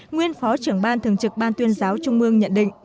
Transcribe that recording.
nguyên phó trưởng ban thường trực ban tuyên giáo trung mương nhận định